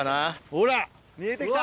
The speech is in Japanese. ほら見えてきた。